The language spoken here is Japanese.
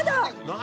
「何？